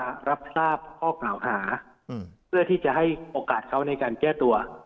รับทราบข้อกล่าวหาเพื่อที่จะให้โอกาสเขาในการแก้ตัว